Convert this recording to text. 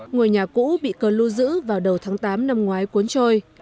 ngôi nhà cũ bị cơn lưu giữ vào đầu tháng tám năm ngoái cuốn trôi